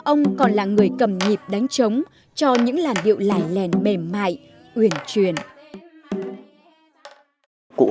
ông còn là người cầm nhịp đánh trống cho những làn điệu lài lèn mềm mại và trọng lợi cho các con cháu